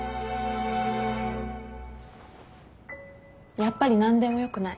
やっぱり何でもよくない。